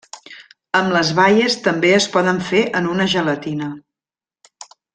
Amb les baies també es poden fer en una gelatina.